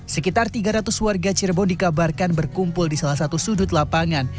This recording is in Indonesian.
sekitar tiga ratus warga cirebon dikabarkan berkumpul di salah satu sudut lapangan